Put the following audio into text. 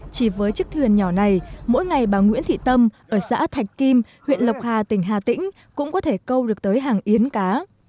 chỉ với chiếc thuyền nhỏ này mỗi ngày bà nguyễn thị tâm ở xã thạch kim huyện lộc hà tỉnh hà tĩnh cũng có thể câu được tới hàng yến cá